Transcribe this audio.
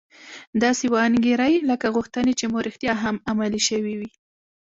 داسې وانګيرئ لکه غوښتنې چې مو رښتيا هم عملي شوې وي.